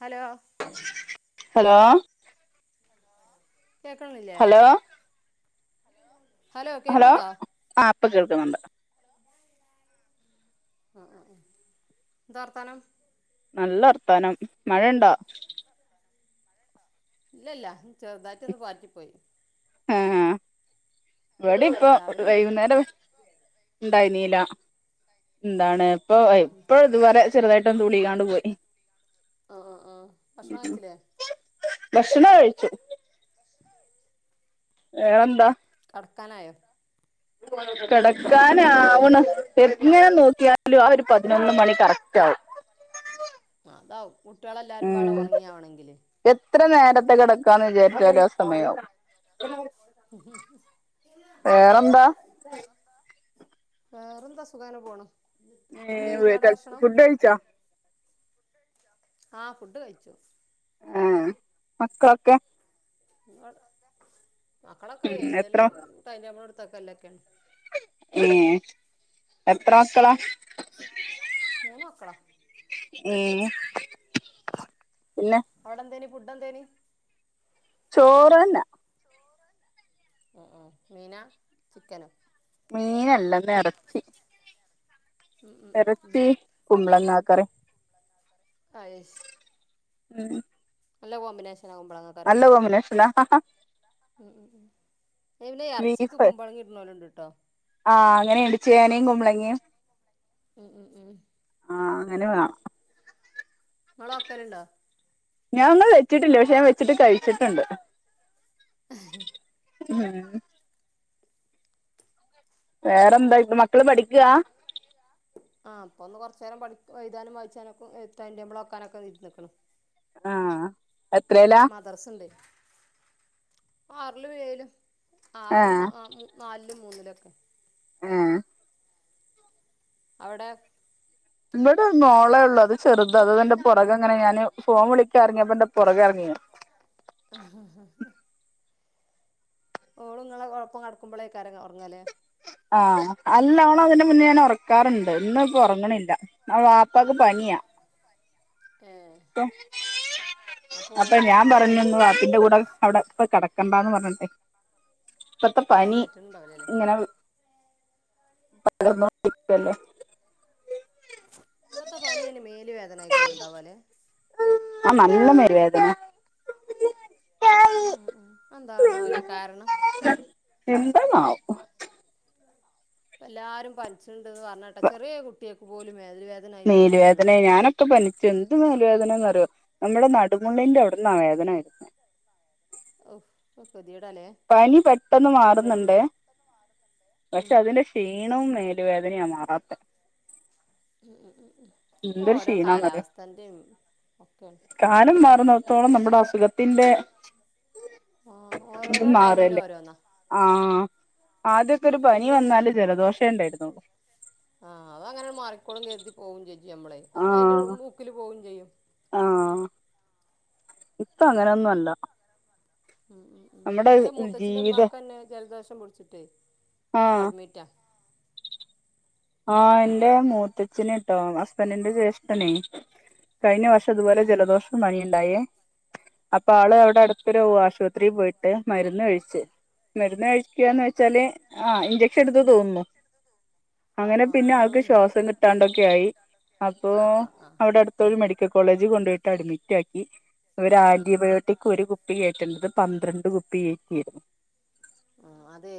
Hello hello കേക്ക് ണില്ലേ hello hello കേക്ക്ണ്ടോ ആ ഇപ്പ കേൾക്ക്ന്ന്ണ്ട് ആ ആ ആ എന്താ വർത്താനം നല്ലവർത്താനം മഴ ഇണ്ടാ ഇല്ലില്ല ചെറുതായിട്ട് ഒന്ന് പാറ്റി പോയി ആഹ് ഹാ എവിടെ ഇപ്പൊ രാവിലെ ഉണ്ടായിനി വൈകുന്നേരം ഇണ്ടായ്ന്നീല എന്താണ് ഇപ്പൊ ഉം ഉം ഉം ഇപ്പോ ഇതുവരെ ചെറുതായിട്ട് തൂളീക്കാണ്ട് പോയി ആ ആ ആ ഭക്ഷണ കഴിച്ചില്ലേ ഭക്ഷണ കഴിച്ചു [unintelligible] വേറെന്താ കെടക്കാനായോ [inaudible] കെടക്കാനാവ്ണു എങ്ങനെ നോക്കിയാലും ആ ഒരു പതിനൊന്ന് മണി കറക്റ്റാവും ആഹ് അതാവും കുട്ടികളൾെല്ലാരും പാടെ ഉം ഉറങ്ങിയാാവണെങ്കില് എത്ര നേരത്തെ കിടക്കാന്ന് വിചാരിച്ചൊക്കെ ആഹ് സമയമാവും [unintelligible] വേറെന്താ [unintelligible] വേറെന്താ സുഖന പോകണം എന്തായാലും നട ഭക്ഷണം കഴച്ച ആഹ് ഫുഡ് കഴിച്ചു ആഹ് മക്കളൊക്കെ വട മക്കളൊക്കെ ഉം ഏതലും എത്ര ടൈം ടേബള് എടുത്തക്കെല്ലക്കണ്ട് ഏ എത്ര മക്കളാ മൂന്ന് മക്കളാ ഏഹ് പിന്ന അവിടെ എന്തനി ഫുഡെന്തേന് ചോറന്ന ഉം ഉം മീനാ ചിക്കനാ മീനല്ലാ ഇന്നെറച്ചി ഉം ഉം ഉം ഉം ഇറച്ചി കുമ്പളങ്ങ ആക്കറി ആയസ് ഉം നല്ല കോമ്പിനേഷനാവുമ്പോള അല്ലകോമ്പിനേശനാ [unintelligible] ഉം ഉം ഉം പിന്നെ ഇറച്ചിക്ക് ബീഫ് കുമ്പളങ്ങടുന്നവര് ആണ്ട് ട്ടോ ആഹ് അങ്ങനെയുണ്ട് ചേനയും കുമ്പളങ്ങയും ഉം ഉം ഉം ആഹ് അങ്ങനെ വേണം നിങ്ങളെ ആക്കലുണ്ടോ ഞാൻ നിങ്ങൾ വെച്ചിട്ടില്ല പക്ഷെ ഞാൻ വെച്ചിട്ട് കഴിച്ചിട്ടുണ്ട് [unintelligible] ഉം വേറെന്താ മക്കള് പഠിക്കാ [unintelligible] പഠിക്ക ആ അപ്പൾ ഒന്ന് കുറച്ച് നേരം പഠി എഴുതാനും വായിച്ചാനൊക്കെ എഹ് ടൈംടേബള്ളാക്കാനൊക്കെ ഇതി നിൽക്കണ് ആഹ് എത്രല്ലാ [unintelligible] ഇപ്പ ആറിലും ഏഴിലും അറില് ആഹ് [unintelligible] നാലിലും മൂന്നിലൊക്കെ ആഹ് അവിടെ ഇവിടെ മോളെ ഉള്ളൂ. അത് ചെറുതാ അത് എന്റെ പുറകെ ഇങ്ങനെ ഞാന് ഫോൺ വിളിക്കാ ഇറങ്ങിയപ്പം എന്റെ പുറകെ ഇറങ്ങി [inaudible] ഓള് നിങ്ങളെ ഒപ്പം കടക്കുമ്പേകാരം ഉറങ്ങല്ലേ. ആഹ് അല്ല ഓളെ അതിന്റെ മുന്നേ ഞാൻ ഉറക്കാറുണ്ട്. ഇന്ന് പ്പൊ ഉറങ്ങണില്ല അ വാപ്പക്ക് പനിയാ. ഏ അപ്പം അപ്പൊ ഞാൻ പറഞ്ഞു ഒന്നു സങ്കടണ്ടോ വാപ്പിന്റെ കൂടെ. അവിടെ ഇപ്പ കിടക്കണ്ടാന്ന് പറഞ്ഞട്ടെ ഇപ്പത്തെ അയിന് പനി പറ്റ്ണ്ടാവൂലല്ലേ ഇങ്ങനെ. [unintelligible] ഇപ്പഴത്തെ പനിയതിന് മേൽ വേദന ആയി കൊണ്ടുണ്ടാവല്ലേ. ആ നല്ല മേല് വേദന. ഉം ഉം എന്താണാവലേ കാരണം. എന്താണാവോ. എല്ലാരും പനിച്ചിണ്ട്ന്ന് പറഞ്ഞട്ടാ ചെറിയ കുട്ടിയൊക്ക് പോലും മേല് വേ മേല് വേദന ഞാനും. പനിച്ച് എന്ത് മേല് വേദന എന്നറിയോ നമ്മുടെ നടുമുള്ളിന്റെ അവിടന്നാ വേദന വരുന്നെ. ഔ ഒക്കെ ഗതികേടാല്ലേ പനി പെട്ടെന്ന് കുട്ടികളും മാറുന്നുണ്ടേ. ഉം പക്ഷെ അതിന്റെ ക്ഷീണവും മേലു വേദനയും ആണ് മാറാത്ത. ഉ ഉം ഉം ഇപ്പോ എന്തൊരു ഓരോ ക്ഷീണാന്നറിയോ കാലാവസ്ഥന്റെ ഒക്കെ. കാലം മാറുന്നിടത്തോളം നമ്മുടെ അസുഖത്തിന്റെ ആ ഇത് ഓരോരോ ടൈമിലും മാറല്ലേ ഓരോന്നാ. ആഹ് ആദ്യാക്കെ ഒരു പനി എന്റെ വന്നാല് ജലദോഷം ഉണ്ടായിരുന്നു. ആ അത് അങ്ങനെ മാറിക്കോളും കരുതി പോകും ചെയ്യും നമ്മള്. അതാണ് അതിന്റെ ആഹ് മൂക്കില് പോവും ചെയ്യും. ആഹ് ഇപ്പ അങ്ങനെയൊന്നും അല്ല. ഉം ഉ ഉ നമ്മുടെ എന്റെ മൂത്തച്ഛന്റെ ജീവിത ഉമാക്ക് തന്നെ ജലദോഷം പിടിച്ചിട്ട് ഇപ്പ ആഹ് അഡ്മിറ്റാ. ആ എന്റെ മൂത്തച്ഛനെട്ടോ ഹസ്ബൻഡിന്റെ ജ്യേഷ്ഠനെ. ഉം കഴിഞ്ഞ ഉം വർഷം ഇതുപോലെ ജലദോഷം പനിയുണ്ടായേ അപ്പൊ ഉം ആള് അവിടെ അടു- ത്തൊരു ആശുപത്രിയിൽ പോയിട്ട് മരുന്ന് കഴിച്ചു. മരുന്ന് കഴിക്കുക എന്ന് വെച്ചാല് ആ ഇഞ്ചക്ഷൻ എടുത്തു തോന്നുന്നു. [inaudible] ആഹ് അങ്ങനെ ആഹ് പിന്നെ അത് അൾക്ക് എന്തേലും ശ്വാസം കിട്ടാണ്ടൊക്കെ ആയി അപ്പോ ആഹ് ആഹ് ആഹ് അവിടെടു ത്തൊരു മെഡിക്കൽ കോളേജിൽ കൊണ്ട് പോയിട്ട് അഡ്മിറ്റ് ആക്കി. അവര് ഉം ഉം ആന്റിബയോട്ടിക് ഒരു കുപ്പി കയറ്റേണ്ടത് പന്ത്രണ്ട് കുപ്പി കയറ്റിയിരുന്നു. ആ അതെ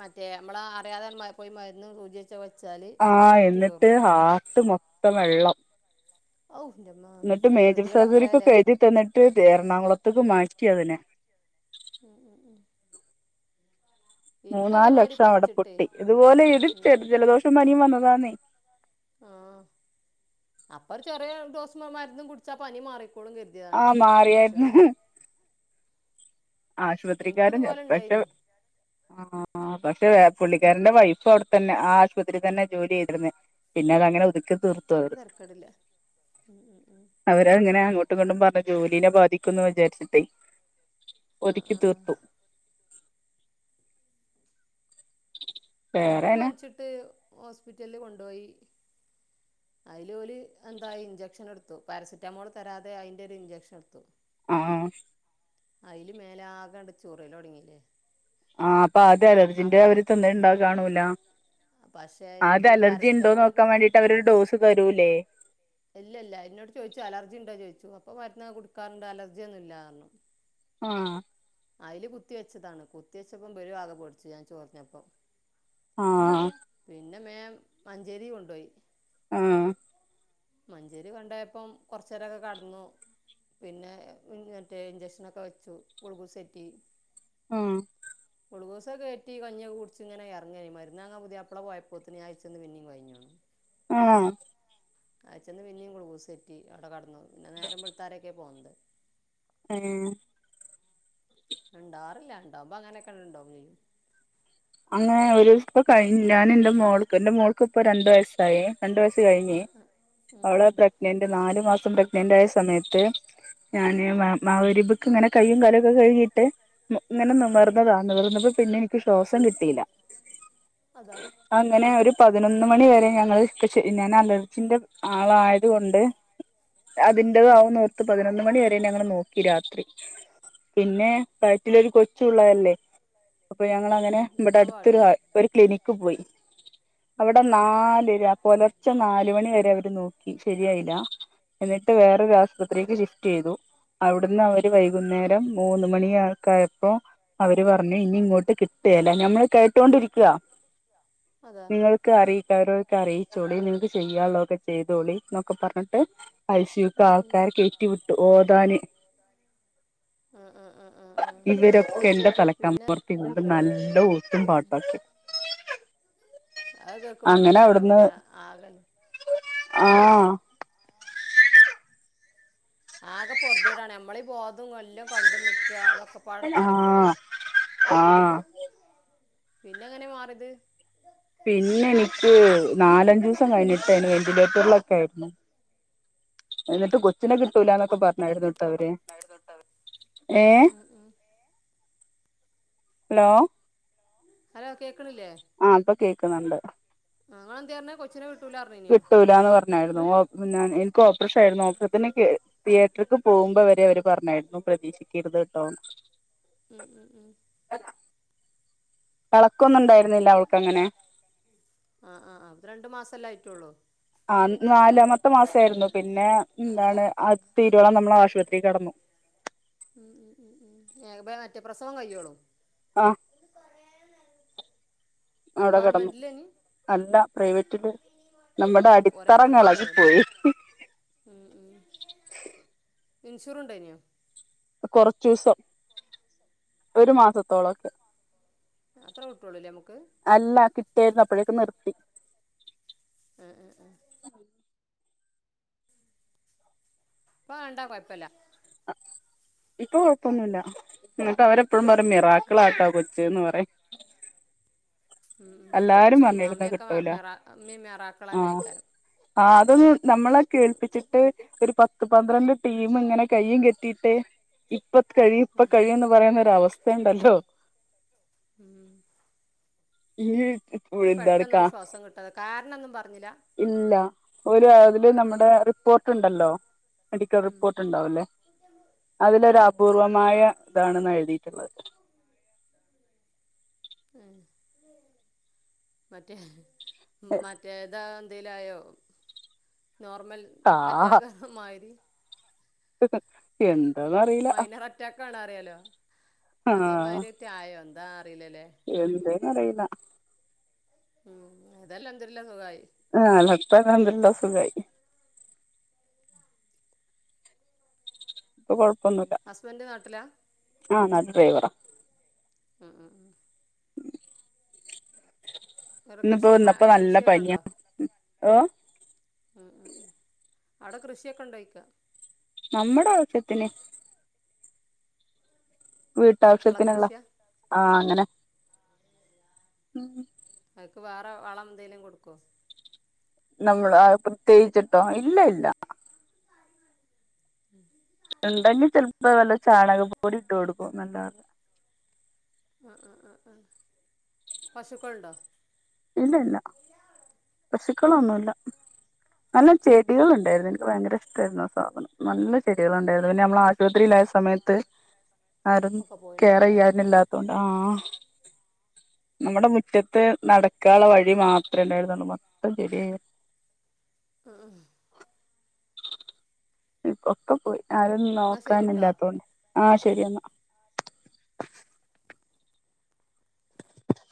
മറ്റേ നമ്മള് അറിയാതണ്ട് പോയി മരുന്ന് സൂചി. കുത്തി വച്ചാല്. ആ എന്നിട്ട് ഹാർട്ട് മൊത്തം വെള്ളം. ഹൗ എന്റെ മ്മാ എന്നിട്ട് മേജർ സർജറിക്കൊക്കെ എഴുതി തന്നിട്ട് എറണാകുളത്തേക്ക് മാറ്റി അതിനെ. ഉം ഉം ഉം മൂന്നാല് എനിക്കതേമാതിരി ലക്ഷം അവിടെ പനിച്ചിട്ടേ പൊട്ടി ഇതുപോലെ ഇത് ഉം ജെ ഉം ജലദോഷം പനിയും വന്നതാന്നെ. ആഹ് അപ്പ ഒരു ചെറിയ ഡോസ് മരുന്നും കുടിച്ചാ പനി മാറിക്കോളും കരുതി അറിയാണ്ട് ആഹ് മാറിയായിരുന്നു കുടിച്ചാണ്. ആശുപത്രിക്കാരല്ല എനിക്കിതുപോലെ പെട്ടു ഉണ്ടായിനി ആഹ് ആ പക്ഷേ പുള്ളിക്കാരന്റെ വൈഫ് അവിടെത്തന്നെ ആ ആശുപത്രി തന്നെ ജോലി ചെയ്തിരുന്നെ. പിന്നെ അത് അങ്ങനെ ഒതുക്ക്. അതുകൊണ്ട് തരക്കേടില്ല ഉം ഉം ഉം അവര് ഇങ്ങനെ അങ്ങോട്ടും ഇങ്ങോണ്ടും പറഞ്ഞ് ജോലീനെ ബാധിക്കും എന്ന് വിചാരിച്ചിട്ട്. ആ ഒതുക്കി ആ ആ തീർത്തു. എൻക്ക് വേറെനെ പൻച്ച്ട്ട് ഹോസ്പിറ്റല് കൊണ്ടോയി അയ്ല് ഓല് എന്താ ഇഞ്ചെക്ഷൻ എടുത്തു പാരസിറ്റമോള് തരാതെ അയ്ന്റെ ഒരു ഇഞ്ചെക്ഷൻ എടുത്തു ആഹ് അയ്ല് മേലാകെ ആണ്ട് ചൊറിയലോടങ്ങില്ലേ ആഹ് അപ്പ അതാ അലർജിന്റെ അവര് തന്നെ ഇൻണ്ടായി കാണൂല പക്ഷേ അത് എനിക്ക് അലർജി ഉണ്ടോ പാരസെറ്റമോൾ കൊടു നോക്കാവാണ്ടിട്ട് അവരൊരു ഡോസ് തരൂല്ലേ ഇല്ല ഇല്ല എന്നോട് ചോയ്ച്ചു അലർജി ഉണ്ടോ ചോയ്ച്ചു അപ്പൊ മരുന്ന കൊടുക്കാറുണ്ട് അലർജിയൊന്നു ഇല്ലാറാഞ്ഞു ആഹ് അയ്ല് കുത്തി വെച്ചതാണ് കുത്തി വെച്ചപ്പം ഇബലും ആകെ പേടിച്ച് ഞാൻ ചൊർഞ്ഞപ്പം ആഹ് പിന്നെ മേം മഞ്ചേരി കൊണ്ടോയി ആഹ് മഞ്ചേരി കൊണ്ടയപ്പം കുറചെരൊക്കെ കടന്നു പിന്നെ മറ്റേ ഇഞ്ചെക്ഷനൊക്കെ വെച്ചു ഗുൾഗോസേറ്റി ആഹ് ഗുൾഗോസൊക്കെ കേറ്റി കഞ്ഞിയൊക്കെ കുടിച്ച് ഇങ്ങനെ എറങ്ങേനി മരുന്നാങ്ങാൻ പുതിയാ പ്ലള പോയപ്പോത്തിന് ഞാൻ അയച്ചന്ന് പിന്നേം കൊയഞ്ഞ്ണ് ആഹ് അയ്ച്ചെന്ന് പിന്നേം ഗുളുഗുസെറ്റി അടെ കടന്നു പിന്നെ നേരം ബെൾത്താരേക്കെ പോന്നത് ആഹ് ഇണ്ടാറില്ലാ ഇണ്ടാവുമ്പോ അങ്ങനെക്കെ ഇണ്ടാവും ചെയ്യും അങ്ങനെ ഒരു ഇപ്പ കഴിഞ്ഞു ഞാനെന്റെ മോൾക്ക് എന്റെമോൾക്ക് ഇപ്പോ രണ്ട് വയസ്സായെ രണ്ടു വയസ്സ് കഴിഞ്ഞെ ആ ആ ഉം അവള് ഉം പ്രഗ്നന്റ് നാലു മാസം പ്രഗ്നന്റ് ആയ സമയത്ത് ഞാന് മാ മാഗ്രിബ്ക്ക് ഇങ്ങനെ കയും കാലൊക്കെ കഴുകിട്ട് ഇങ്ങനെ നിവർന്നതാ നിർന്നപ്പം പിന്നെ എനിക്ക് ശ്വാസം കിട്ടീല്ല അതാ അങ്ങനെ ഒരു പതിനൊന്ന് മണി വരെ ഞങ്ങള് ക്ച്ച് ഞാന് അലർജിന്റെ ആളായത് കൊണ്ട് ഉം ഉം അതിന്റെതാവും ന്നോർത്ത് പതിനൊന്ന് മണി വരെ ഞങ്ങള് നോക്കി രാത്രി ഉം പിന്നെ വയറ്റിലൊരു കൊച്ചുള്ളതല്ലേ അപ്പൊ ഉം ഉം ഞങ്ങളങ്ങനെ ഉം ഇവിടെ നിൽക്കാൻ അടുത്തൊരു പാടില്ല ഒരു ക്ലിനിക്ക് പോയി ഉം അവിടന്ന് നാലര പുലർച്ചെ നാല്മണി വരെ അവര് നോക്കി ശരിയായില്ല എന്നിട്ട് ഉം വേറൊരു ആശുപത്രിക്ക് ഷിഫ്റ്റ് ചെയ്തു അവിടുന്ന് അവര് വൈക് വൈകുന്നേരം മൂന്ന് മണിയക്കായപ്പോ അവര് പറഞ്ഞു ഇനി ഇങ്ങോട്ട് കിട്ട്യേല്ല ഞമ്മള് കേട്ടൊണ്ടിരിക്ക അതാ നിങ്ങള് ക്ക് അറിയിക്കാള്ളൊക്കെ അറിയിച്ചോളി നിങ്ങൾക്ക് ചെയ്യാള്ളൊക്കെ ചെയ്തോളി ന്നൊക്കെ പറഞ്ഞ്ട്ട് ഐസിയുക്ക് ഉം ഉം ആൾക്കാരെ കേറ്റി വിട്ടു ഓതാന് ആ ആ ആ ആ ആ ഇവരൊക്കെന്റെ പിന്നെ തലക്കാപൊർത്ത് ഇരിന്ന്ട്ട് നല്ല ഓത്തും പാട്ടൊക്കെ അയ് കേക്കുമ്പോന്നെക്കാരും പിന്നെ ആക ആഹ ആഹ ആകെ പൊർത്യേടാണ് നമ്മളീ ബോധം എല്ലും കണ്ടും നിക്കാ അതൊക്കെ ഒക്കപ്പാട പറിമ്പളേ ആഹ് ആഹ് പിന്നെങ്ങനെ മാറിയത് പിന്നെ എനിക്ക് നാലഞ്ചൂസം കഴിഞ്ഞിട്ടെനി വെന്റിലേറ്ററിലൊക്കെനു എന്നിട്ട് കൊച്ചിനെ കിട്ടൂലന്നൊക്കെ പറഞ്ഞാരുന്ന് ട്ടോ അവര് ഉം ഉം ഹലോ ഹലോ കേക്ക്ണില്ലേ ആഹ് ഇപ്പൊ കേക്കുന്നുണ്ട് ആ ഇങ്ങളെന്തേ പർഞ്ഞേ കൊച്ചിനെ കി കിട്ടൂലാന്ന് പർഞ്ഞായിരുന്നു ഓ പിന്നാ ഇൻക്ക് ഓപ്രെഷേയിരുന്നു ഓപ്പറഷെനിക്കെ തിയേറ്റർക്ക് പോമ്പൊ വരെ അവര് പറഞ്ഞായിരുന്നു പ്രതീക്ഷിക്കര്ത് ട്ടോന്ന് ഉം ഉം ഉം ഇളക്കൊന്നും ഉണ്ടായിരുന്നില്ല അവൾക്ക് അങ്ങനെ ആഹ് ആഹ് ആഹ് ഇത് രണ്ട് മാസല്ലേ ആയിട്ടുള്ളൂ ആ നാലാമത്തെ മാസ ആയിരുന്നു പിന്നെ എന്താണ് അത്‌ തീരുവോളം നമ്മള് ആശുപത്രി കിടന്നു ഉം ഉം ഉം ഉം ഏ മറ്റേ പ്രസവം കഴിയോളും ആഹ അവിടെ കിടന്നു ഗവൺമെന്റിലേഞ്ഞി അല്ല പ്രൈവറ്റില് നമ്മുടെ ഔ കൊറേ അടിത്തറ അങ്ങ് എളകി പൊട്ടിണ്ടാവല്ലോ പോയി ഉം ഉം ഇൻഷൂറു ഉണ്ടായിനോ കുറച്ചൂസം ഒരു മാസത്തോളൊക്കെ അത്ര കിട്ടൊള്ളൂല്ലേ നമുക്ക് അല്ല കിട്ടിയേരുന്നു അപ്പഴേക്കും നിർത്തി ആഹ് ആഹ് ആഹ ഇപ്പ കണ്ടാ കുഴപ്പമില്ല ഇപ്പൊ കൊഴപ്പൊന്നുല്ല എന്നിട്ട് അവരെപ്പഴും പറയും ഉം ഉം മിറാക്കളാട്ടാ ഉം കൊച്ചെന്ന് പറയും എല്ലാരും കൊച്ചും പറഞ്ഞിരുന്നു അമ്മയൊക്കെ കിട്ടൂല മറാ ഇമ്മേം മെറാക്കളന്നെ ആക്കരം ആ അതൊന്നും നമ്മളെ കേൾപ്പി വച്ചിട്ട് ഒരു പത്ത് പന്ത്രണ്ട് ടീം ഇങ്ങനെ കയ്യും കെട്ടീട്ട് ഇപ്പ കഴിയും ഇപ്പ ഉം കഴിയും ന്ന് പറയുന്നൊരവസ്ഥ ഉണ്ടല്ലോ ഉം ഈ എന്താണ് പെട്ടെന്നണ്ട് ശ്വാസം കിട്ടാതെ കാരണം ഒന്നും പറഞ്ഞില്ല ഇല്ല ഓല് അതില് നമ്മുടെ റിപ്പോർട്ട് ഇണ്ടല്ലോ മെഡിക്കൽ ഉം റിപ്പോർട്ട് ഉണ്ടാവും ല്ലേ അതിലൊരു അപൂർവമായ ഇതാണ്ന്നാ എഴുതിയിട്ടുള്ളത് ഏഹ് മറ്റേ മറ്റേ ഇതാ എന്തേലായോ നോർമൽ അറ്റാക്ക് മാരി എന്താന്ന് അറിയില റ്റാക്കാണ അറിയാലോ അതേ മാരി ഏറ്റ ആയോ എന്താ അറിയില്ല ല്ലേ എന്തേന്ന് അറീല്ല ഉം അതെല്ലാം എന്തരില്ല സുഖമായി ആഹ [unintelligible] സുഖായി ഇപ്പൊ കൊഴപ്പൊന്നുല്ല ഹസ്ബൻഡ് നാട്ടിലാ ആഹ നാട്ടില് ഡ്രൈവറാ ആഹ് ആ ആഹ ഉം വേറെ കൃഷി മ നല്ല കൃഷിയൊക്കെ പനിയാ ഉണ്ടോ ഓഹ് ഉം ഉം ഉം അവിടെ കൃഷിയൊക്കെ ഇണ്ടോയിക്ക നമ്മുടെ ആവശ്യത്തിന് അടുക്കള വീട്ടാവശ്യത്തിനുള്ള കൃഷിയാ ആ അങ്ങനെ ഉം അത്ക്ക് വേറെ വളം എന്തെങ്കലിലും കൊടുക്കോ നമ്മൾ പ്രത്യേകിച്ചിട്ടോ ഇല്ല ഇല്ല ഉം ഉണ്ടെങ്കിൽ ചെലപ്പോ വല്ല ചാണകം പൊടി ഇട്ട് കൊടുക്കും നല്ലാല്ല ആഹ് ആഹ് ആഹ് ആഹ് പശുക്കള ഉണ്ടോ ഇല്ല ഇല്ല പശുക്കളൊന്നുമല്ല നല്ല ചെടികള ഉണ്ടായിരുന്നു എനിക്ക് ഭയങ്കര ഇഷ്ടമായിരുന്നു ആഹ് സാധനം നല്ല ചെടികൾ ഉണ്ടായിരുന്നു പിന്നെ നമ്മൾ ആശുപത്രിയിലായ സമയത്ത് ആരും ഒക്കെ പോയിണ്ടാവും കേയറ് അല്ലേ ചെയ്യാനില്ലാ ആഹ് നമ്മുടെ മുറ്റത്ത് നട മക്കള വഴി മാത്രമേ ഉണ്ടായിരുന്നുള്ളൂ മൊത്തം ചെടിയ ആഹ് ആഹ് ഇക്കൊക്കെ പോയി ആരൊന്നും എന്നാൽ ശരി കേട്ടോ നോക്കാനില്ലാത്തോണ്ടെ ആഹ് ശരിയെന്നാ